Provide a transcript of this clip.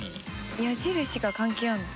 矢印が関係あんの？